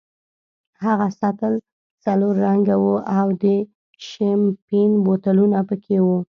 هغه سطل سلور رنګه وو او د شیمپین بوتلونه پکې وو.